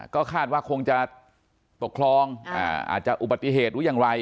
ก็คาดว่าคงจะตกคลองอาจจะอุบัติเหตุหรือยังไร